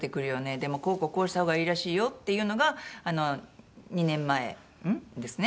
「でもこうこうこうした方がいいらしいよ」っていうのが２年前ん？ですね。